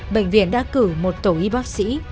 bệnh viện đã cử một tổ y bác sĩ